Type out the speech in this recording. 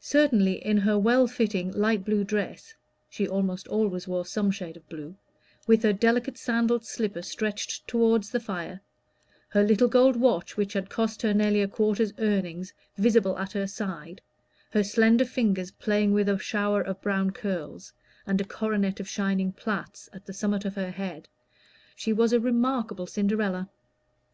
Certainly in her well fitting light blue dress she almost always wore some shade of blue with her delicate sandaled slipper stretched toward the fire, her little gold watch, which had cost her nearly a quarter's earnings, visible at her side, her slender fingers playing with a shower of brown curls, and a coronet of shining plaits, at the summit of her head, she was a remarkable Cinderella.